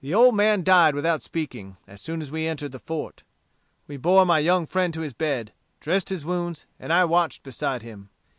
The old man died without speaking, as soon as we entered the fort. We bore my young friend to his bed, dressed his wounds, and I watched beside him.